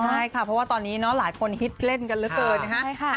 ใช่ค่ะเพราะว่าตอนนี้หลายคนฮิตเล่นกันเหลือเกินนะฮะ